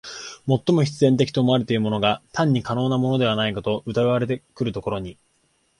最も必然的と思われているものが単に可能的なものではないかと疑われてくるところに、